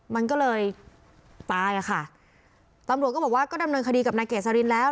มันก็เลยตายอ่ะค่ะตำรวจก็บอกว่าก็ดำเนินคดีกับนายเกษรินแล้ว